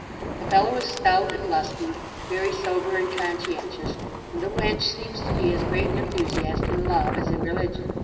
The fellow is stout and lusty, very sober and conscientious; and the wench seems to be as great an enthusiast in love as in religion.